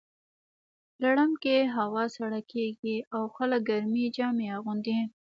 لړم کې هوا سړه کیږي او خلک ګرمې جامې اغوندي.